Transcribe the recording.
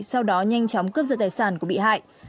sau đó nhanh chóng cướp giật tài sản của bị hại